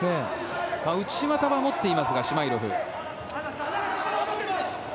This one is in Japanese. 内股も持っていますがシュマイロフ。